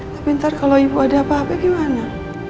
tapi ntar kalau ibu ada apa apa gimana